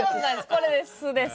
これです